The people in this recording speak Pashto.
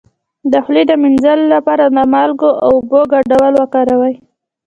د خولې د مینځلو لپاره د مالګې او اوبو ګډول وکاروئ